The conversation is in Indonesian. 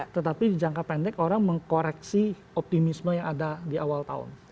tetapi di jangka pendek orang mengkoreksi optimisme yang ada di awal tahun